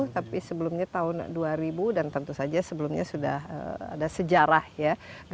tapi sebelumnya tahun dua ribu dan tentu saja sebelumnya sudah ada sejarah ya